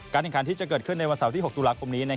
แข่งขันที่จะเกิดขึ้นในวันเสาร์ที่๖ตุลาคมนี้